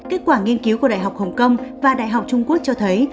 kết quả nghiên cứu của đại học hồng kông và đại học trung quốc cho thấy